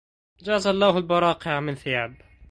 جزى الله البراقع من ثياب